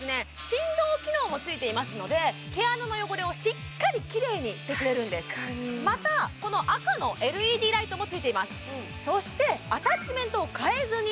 振動機能もついていますので毛穴の汚れをしっかりきれいにしてくれるんですまたこの赤のＬＥＤライトもついています